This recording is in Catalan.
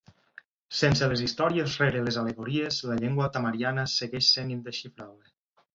Sense les històries rere les al·legories, la llengua tamariana segueix sent indesxifrable.